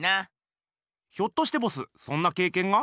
ひょっとしてボスそんなけいけんが？